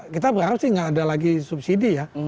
kita berharap sih gak ada lagi subsidi